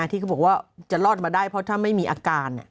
ที่เขาบอกว่าจะรอดมาได้เพราะถ้าไม่มีอาการ